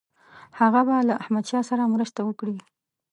هغه به له احمدشاه سره مرسته وکړي.